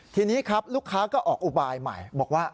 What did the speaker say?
ทีนี้ครับลูกค้าก็ออกอุบายใหม่บอกว่า